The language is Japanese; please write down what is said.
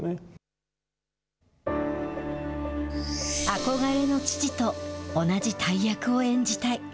憧れの父と同じ大役を演じたい。